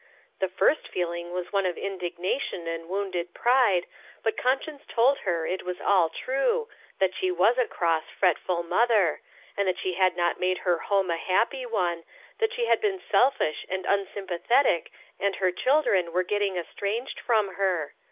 The first feeling was one of indignation and wounded pride, but conscience told her it was all true, that she was a cross, fretful mother, that she had not made her home a happy one, that she had been selfish and unsympathetic and her children were getting estranged from her.